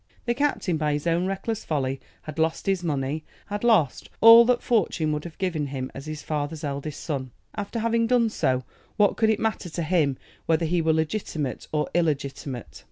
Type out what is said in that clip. The captain by his own reckless folly had lost his money, had lost all that fortune would have given him as his father's eldest son. After having done so, what could it matter to him whether he were legitimate or illegitimate?